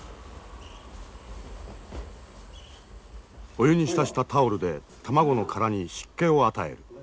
お湯に浸したタオルで卵の殻に湿気を与える。